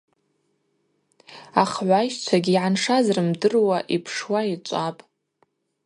Ахыгӏвайщчвагьи йгӏаншаз рымдыруа йпшуа йчӏвапӏ.